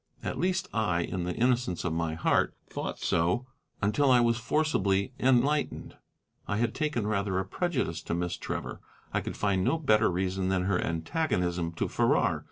At least I, in the innocence of my heart, thought so until I was forcibly enlightened. I had taken rather a prejudice to Miss Trevor. I could find no better reason than her antagonism to Farrar.